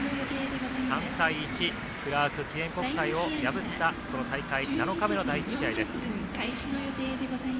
３対１クラーク記念国際を破ったこの大会７日目の第１試合です。